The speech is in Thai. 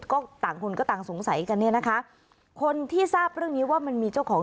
ก็ต่างคนก็ต่างสงสัยกันเนี่ยนะคะคนที่ทราบเรื่องนี้ว่ามันมีเจ้าของ